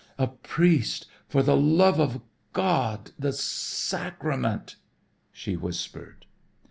"A priest for the love of God the sacrament," she whispered.